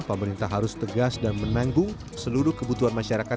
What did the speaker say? pemerintah harus tegas dan menanggung seluruh kebutuhan masyarakat